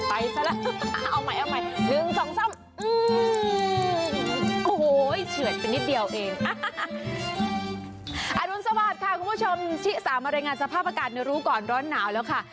อันทุนสวัสดิ์ค่ะคุณผู้ชมที่สามรายงานสภาพอากาศหนูรู้ก่อนร้อนหนาวแล้วค่ะ